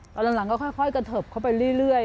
ตอนหลังก็ค่อยกระเทิบเข้าไปเรื่อย